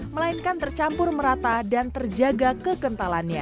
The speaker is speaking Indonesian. melainkan tercampur merata dan terjaga kekentalannya